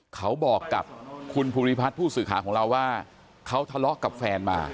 เขาบอกกับคุณภูริพัฒน์ผู้สื่อข่าวของเราว่าเขาทะเลาะกับแฟนมา